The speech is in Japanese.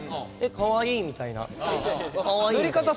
「かわいい」みたいな。